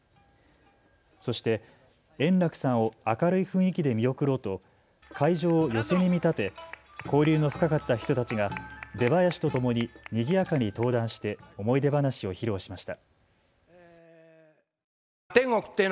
そして円楽さんを明るい雰囲気で見送ろうと会場を寄席に見立て交流の深かった人たちが出囃子とともににぎやかに登壇して思い出話を披露しました。